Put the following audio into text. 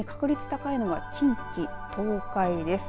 特に確率高いのが近畿、東海です。